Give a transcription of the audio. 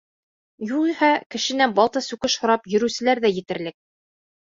Юғиһә, кешенән балта-сүкеш һорап йөрөүселәр ҙә етерлек.